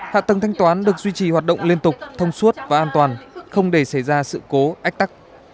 hạ tầng thanh toán được duy trì hoạt động liên tục thông suốt và an toàn không để xảy ra sự cố ách tắc